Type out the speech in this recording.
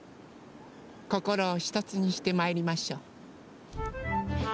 こころをひとつにしてまいりましょう。